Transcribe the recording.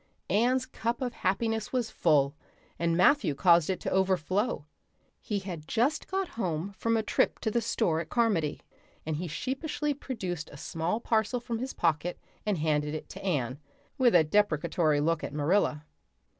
Anne's cup of happiness was full, and Matthew caused it to overflow. He had just got home from a trip to the store at Carmody, and he sheepishly produced a small parcel from his pocket and handed it to Anne, with a deprecatory look at Marilla.